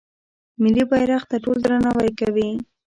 ملي بیرغ ته ټول درناوی کوي.